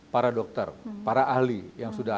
para dokter para ahli yang sudah